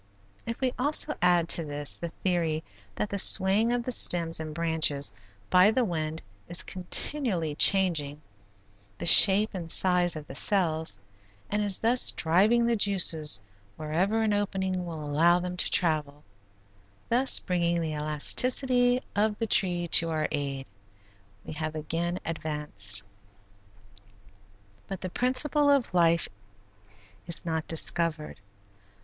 If we also add to this the theory that the swaying of the stems and branches by the wind is continually changing the shape and size of the cells and is thus driving the juices wherever an opening will allow them to travel, thus bringing the elasticity of the tree to our aid, we have again advanced. But the principle of life is not discovered.